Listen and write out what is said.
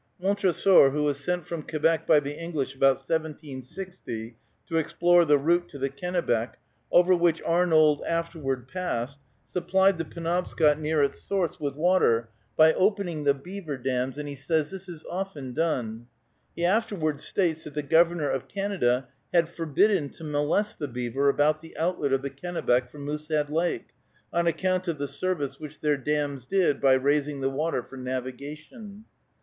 Montresor, who was sent from Quebec by the English about 1760 to explore the route to the Kennebec, over which Arnold afterward passed, supplied the Penobscot near its source with water by opening the beaver dams, and he says, "This is often done." He afterward states that the Governor of Canada had forbidden to molest the beaver about the outlet of the Kennebec from Moosehead Lake, on account of the service which their dams did by raising the water for navigation.